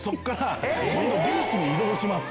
今度ビーチに移動します。